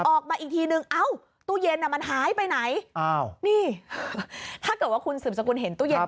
ออกมาอีกทีนึงเอ้าตู้เย็นอ่ะมันหายไปไหน